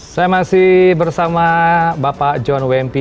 saya masih bersama bapak jomim mp